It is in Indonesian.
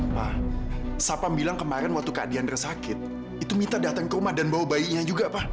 pak sapam bilang kemarin waktu kak diandra sakit itu minta datang ke rumah dan bawa bayinya juga pak